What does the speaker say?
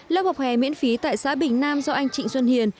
lớp học hè miễn phí tại xã bình nam do anh trịnh xuân hiền